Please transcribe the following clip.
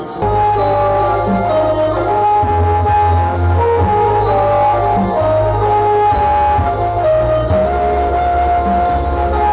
เพลง